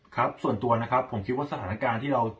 ครับส่วนตัวนะครับผมคิดว่าสถานการณ์ที่เรา